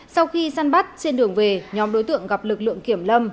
sau khi săn bắt trên đường về nhóm đối tượng gặp lực lượng kiểm lâm